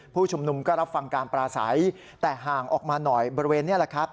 ผู้ชุมนุมก็รับฟังการปลาใสแต่ห่างออกมาหน่อยบริเวณนี้แหละครับ